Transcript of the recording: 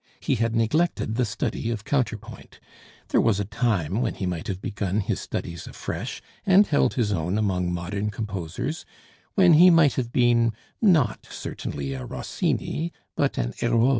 He had neglected the study of counterpoint; there was a time when he might have begun his studies afresh and held his own among modern composers, when he might have been, not certainly a Rossini, but a Herold.